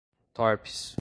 torpes